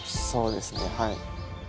そうですねはい。